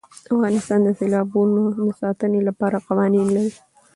افغانستان د سیلابونه د ساتنې لپاره قوانین لري.